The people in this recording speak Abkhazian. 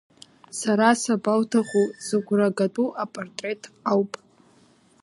Сара сабоуҭаху, зыгәра гатәу апатреҭ ауп.